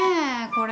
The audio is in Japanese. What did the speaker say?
これ！